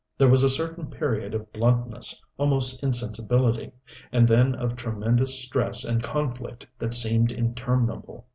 There was a certain period of bluntness, almost insensibility; and then of tremendous stress and conflict that seemed interminable.